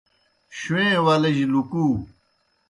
شُویں ولِجیْ لُکُو